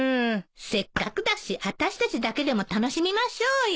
せっかくだしあたしたちだけでも楽しみましょうよ。